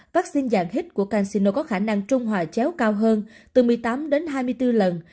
vaccine dạng hít của casino có khả năng trung hòa chéo cao hơn từ một mươi tám đến hai mươi bốn lần